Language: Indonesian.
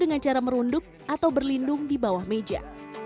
dengan cara merunduk atau berlindung di bawah meja